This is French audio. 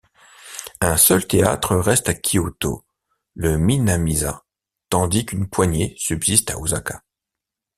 Un seul théâtre reste à Kyoto, le Minami-za, tandis qu'une poignée subsistent à Osaka.